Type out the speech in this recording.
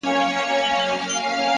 شپه كي هم خوب نه راځي جانه زما _